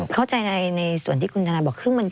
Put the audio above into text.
เข้าใจในส่วนที่คุณธนาบอก